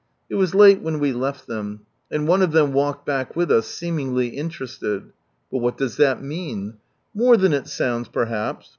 It was late when we left them, and one of them walked back with us, seemingly interested. But what does that mean ? More than it sounds perhaps.